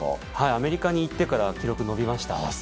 アメリカに行ってから記録伸びましたね。